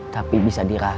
tapi bisa dirasakan